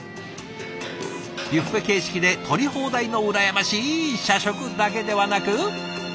ビュッフェ形式で取り放題の羨ましい社食だけではなく。